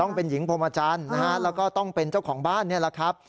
ต้องเป็นหญิงพรมอาจารย์แล้วก็ต้องเป็นเจ้าของบ้านนี่แหละครับ